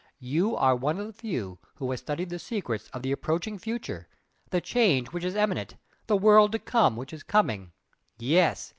You are one of the few who have studied the secrets of the approaching future, the 'change' which is imminent the 'world to come' which is coming! Yes!